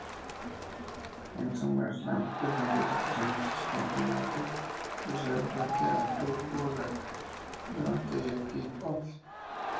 En SummerSlam defendió exitosamente su Campeonato Crucero frente a Drew Gulak durante el Kick-Off.